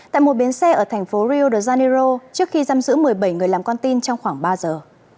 tại một biến xe ở thành phố rio de janeiro trước khi giam giữ một mươi bảy người làm con tin trong khoảng ba giờ